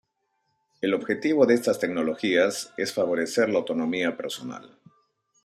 El objetivo de estas tecnologías es favorecer la autonomía personal.